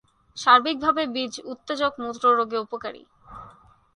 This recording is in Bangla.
সার্বিকভাবে বীজ উত্তেজক, মূত্র রোগে উপকারী।